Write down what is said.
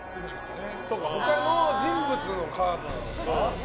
他の人物のカードなのか？